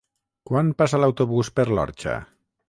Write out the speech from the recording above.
Quan passa l'autobús per l'Orxa?